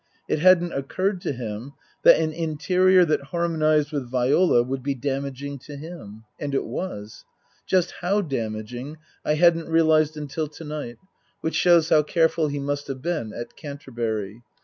It hadn't occurred to him that an interior that harmonized with Viola would be damaging to him. And it was. Just how damaging I hadn't realized until to night (which shows how careful he must have been at Canterbury).